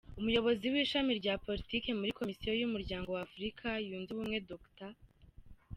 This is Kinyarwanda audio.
Umuyobozi w’ishami rya politiki muri Komisiyo y’Umuryango wa Afurika Yunze Ubumwe, Dr.